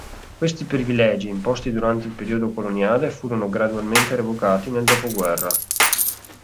Questi privilegi, imposti durante il periodo coloniale, furono gradualmente revocati nel dopoguerra.